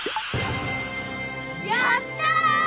やった！